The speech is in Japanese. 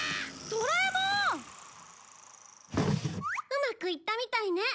うまくいったみたいね。